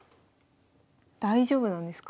大丈夫なんですか？